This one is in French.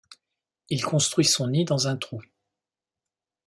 Il construit son nid dans un trou.